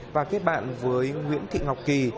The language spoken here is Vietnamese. và kết bạn với nguyễn thị ngọc kỳ